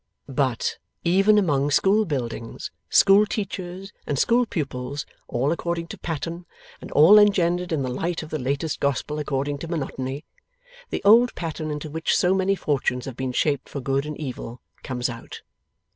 But, even among school buildings, school teachers, and school pupils, all according to pattern and all engendered in the light of the latest Gospel according to Monotony, the older pattern into which so many fortunes have been shaped for good and evil, comes out.